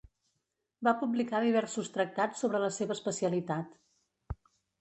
Va publicar diversos tractats sobre la seva especialitat.